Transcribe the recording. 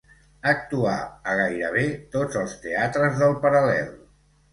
Actuà a gairebé tots els teatres del Paral·lel.